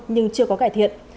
nhưng chưa có cải thiện